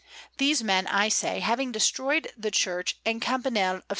These men, I say, having destroyed the Church and Campanile of S.